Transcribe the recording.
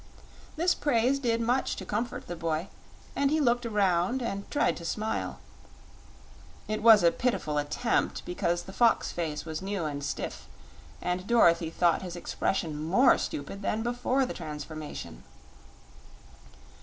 This praise did much to comfort the boy, and he looked around and tried to smile. It was a pitiful attempt, because the fox face was new and stiff, and Dorothy thought his expression more stupid than before the transformation.